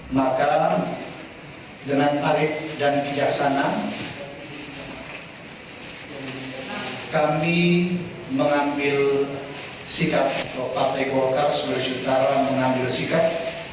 maka dengan tarif dan bijaksana kami mengambil sikap partai golkar sulawesi utara mengambil sikap